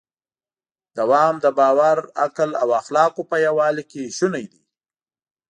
دوام د باور، عقل او اخلاقو په یووالي کې شونی دی.